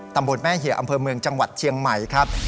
ตัมบุรณ์แม่เหยียวอำเภอเมืองจังหวัดเทียงใหม่ครับ